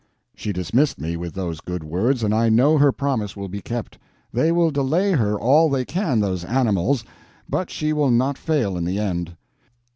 She dismissed me with those good words, and I know her promise will be kept. They will delay her all they can—those animals—but she will not fail in the end."